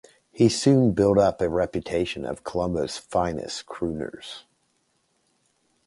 He soon built up a reputation as one of Colombo's finest 'crooners'.